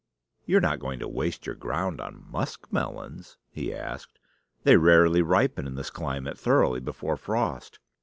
"You are not going to waste your ground on muskmelons?" he asked. "They rarely ripen in this climate thoroughly before frost."